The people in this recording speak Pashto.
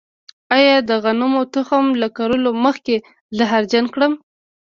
آیا د غنمو تخم له کرلو مخکې زهرجن کړم؟